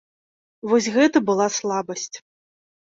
Вось гэта была слабасць.